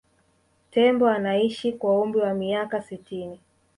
tembo anaishi kwa umri wa miaka sitini